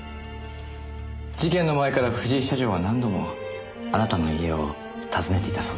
事件の前から藤井社長は何度もあなたの家を訪ねていたそうですね。